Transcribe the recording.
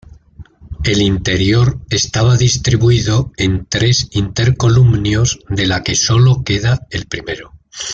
El interior estaba distribuido en tres intercolumnios de la que solo queda el primero.